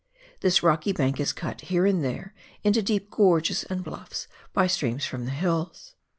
This rocky bank is cut, here and there, into deep gorges and bluffs by streams from the hills.